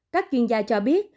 các chuyên gia cho biết